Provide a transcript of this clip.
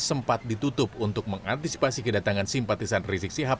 sempat ditutup untuk mengantisipasi kedatangan simpatisan rizik sihab